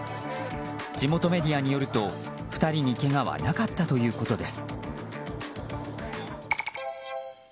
地元メディアによると、２人にけがはなかったということです。